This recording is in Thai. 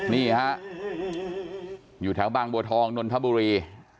นี่ฮะอยู่แถวบางบัวทองนนทบุรี